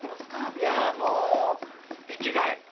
いやー、もう生きがい。